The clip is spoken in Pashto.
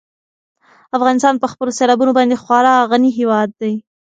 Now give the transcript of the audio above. افغانستان په خپلو سیلابونو باندې خورا غني هېواد دی.